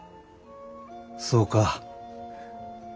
そうか。